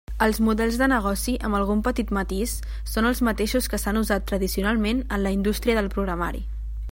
Els models de negoci, amb algun petit matís, són els mateixos que s'han usat tradicionalment en la indústria del programari.